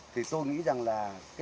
thì tôi nghĩ rằng là